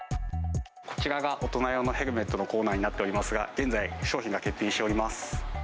こちらが大人用のヘルメットのコーナーになっておりますが、現在、商品が欠品しております。